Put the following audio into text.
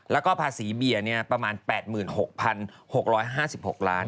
แล้วก็ภาษีเบียร์ประมาณ๘๖๖๕๖ล้าน